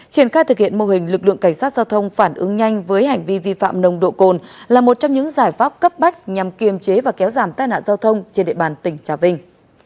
triển khai thực hiện mô hình lực lượng cảnh sát giao thông phản ứng nhanh với hành vi vi phạm nồng độ cồn là một trong những giải pháp cấp bách nhằm kiềm chế và kéo giảm tai nạn giao thông trên địa bàn tỉnh trà vinh